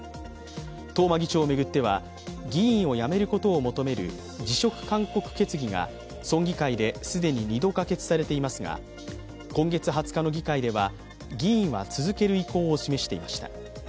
東間議長を巡っては、議員を辞めることを求める辞職勧告決議が村議会で既に２度可決されていますが、今月２０日の議会では、議員は続ける意向を示していました。